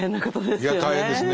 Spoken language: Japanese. いや大変ですね。